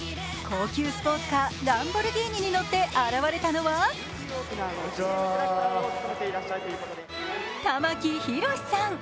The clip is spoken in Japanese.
高級スポーツカー、ランボルギーニに乗って現れたのは玉木宏さん。